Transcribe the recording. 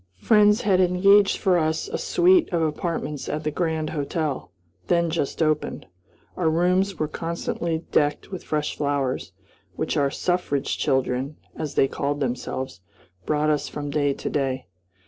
Friends had engaged for us a suite of apartments at the Grand Hotel, then just opened. Our rooms were constantly decked with fresh flowers, which our "suffrage children," as they called themselves, brought us from day to day.